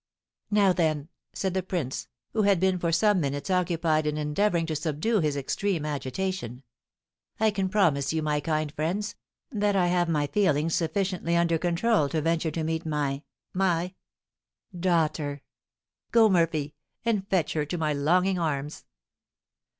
"Now, then," said the prince, who had been for some minutes occupied in endeavouring to subdue his extreme agitation, "I can promise you, my kind friends, that I have my feelings sufficiently under control to venture to meet my my daughter. Go, Murphy, and fetch her to my longing arms."